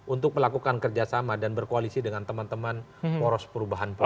untuk melakukan kerjasama dan berkoalisi dengan teman teman poros perubahan politik